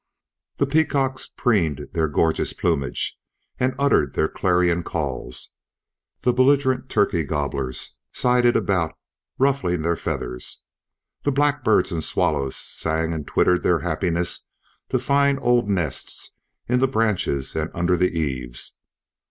The peacocks preened their gorgeous plumage and uttered their clarion calls. The belligerent turkey gobblers sidled about ruffling their feathers. The blackbirds and swallows sang and twittered their happiness to find old nests in the branches and under the eaves.